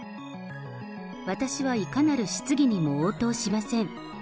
私かいかなる質疑にも応答しません。